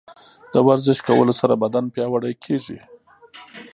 د ورزش کولو سره بدن پیاوړی کیږي.